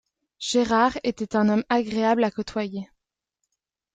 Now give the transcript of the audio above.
Gérard était un homme agréable à côtoyer.